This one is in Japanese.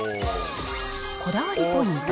こだわりポイント